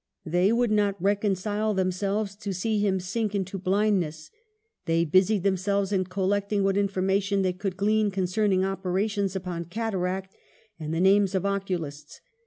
They would not reconcile themselves to see him sink into blind ness. They busied themselves in collecting what information they could glean concerning opera tions upon cataract, and the names of oculists.